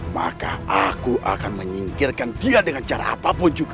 maka aku akan menyingkirkan dia dengan cara apapun juga